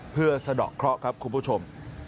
เพื่อสะดอกเคราะห์ครับคุณผู้ชม